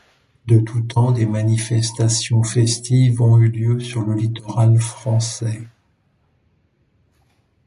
De tout temps, des manifestations festives ont eu lieu sur le littoral français.